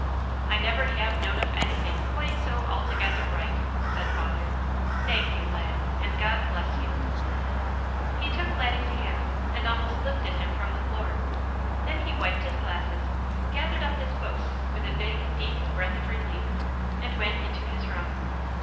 "I never have known of anything quite so altogether right," said father. "Thank you, lad, and God bless you!" He took Laddie's hand, and almost lifted him from the floor, then he wiped his glasses, gathered up his books with a big, deep breath of relief, and went into his room.